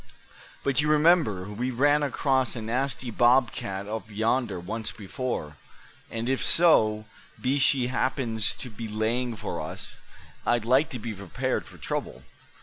But you remember, we ran across a nasty bobcat up yonder once before; and if so be she happens to be laying for us, I'd like to be prepared for trouble.